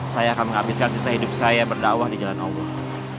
saya akan menghabiskan sisa hidup saya berdakwah di jalan allah